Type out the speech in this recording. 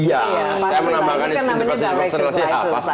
iya saya menambahkan interpretasi personal